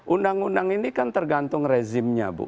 undang undang ini kan tergantung rezimnya bu